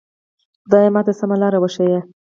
خدایه ماته سمه لاره وښیه.